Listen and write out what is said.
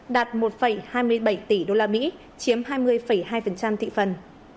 đạt một hai mươi bảy tỷ đô la mỹ chiếm hai mươi hai thị phần